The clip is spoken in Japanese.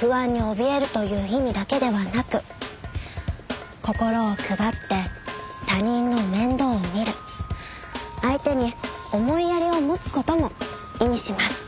不安におびえるという意味だけではなく心を配って他人の面倒を見る相手に思いやりを持つ事も意味します。